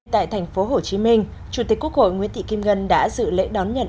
tại thành phố hồ chí minh chủ tịch quốc hội nguyễn thị kim ngân đã dự lễ đón nhận